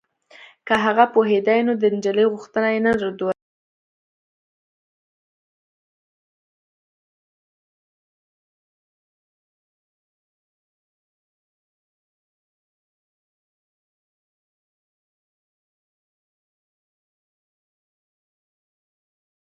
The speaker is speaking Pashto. د آزاد بازار نظریه هم خیالي بڼه لري.